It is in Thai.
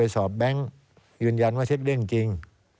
สอบแบงค์ยืนยันว่าเช็คเด้งจริง